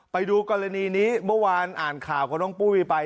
ไปดูกรณีนี้เมื่อวานอ่านข่าวของน้องปุ้ยไป